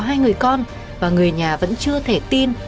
hai người con và người nhà vẫn chưa thể tin